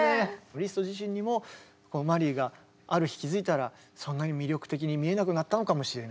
リスト自身にもマリーがある日気付いたらそんなに魅力的に見えなくなったのかもしれないし。